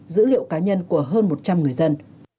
dữ liệu cá nhân của hơn một trăm linh người dân